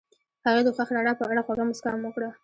هغې د خوښ رڼا په اړه خوږه موسکا هم وکړه.